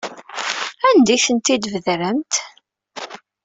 Anda ay tent-id-tbedremt?